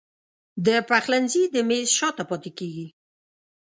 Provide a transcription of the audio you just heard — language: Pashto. د پخلنځي د میز شاته پاته کیږې